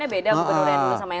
monas kan pernikahannya beda